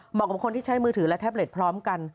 กับคนที่ใช้มือถือและแท็บเล็ตพร้อมกัน